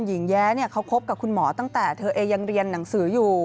แย้เขาคบกับคุณหมอตั้งแต่เธอเองยังเรียนหนังสืออยู่